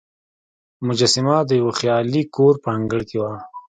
مجسمه د یوه خالي کور په انګړ کې وه.